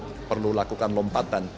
ini adalah pertemuan lompatan